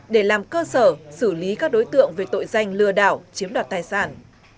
để làm cơ sở xử lý các đối tượng về tội danh lừa đảo chiếm đoạt tài sản